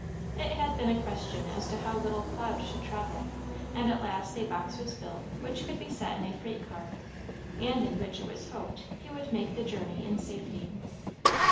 It had been a question as to how little Cloud should travel; and at last a box was built which could be set in a freight car, and in which, it was hoped, he would make the journey in safety.